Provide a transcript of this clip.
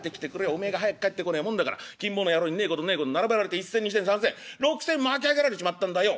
おめえが早く帰ってこねえもんだから金坊の野郎にねえことねえこと並べられて１銭２銭３銭６銭巻き上げられちまったんだよ」。